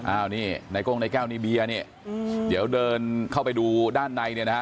อ้าวนี่ในก้งในแก้วนี่เบียร์นี่เดี๋ยวเดินเข้าไปดูด้านในเนี่ยนะฮะ